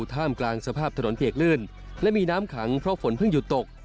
ท่ามกลางสภาพถนนเปียกลื่นและมีน้ำขังเพราะฝนเพิ่งหยุดตก